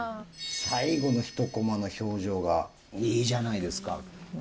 最後の１コマの表情がいいじゃないですか。